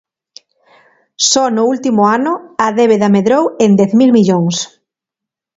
Só no último ano, a débeda medrou en dez mil millóns.